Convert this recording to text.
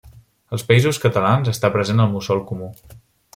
Als Països Catalans està present el mussol comú.